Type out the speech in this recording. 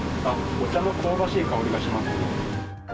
お茶の香ばしい香りがします